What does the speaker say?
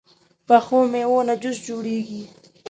پخو میوو نه جوس جوړېږي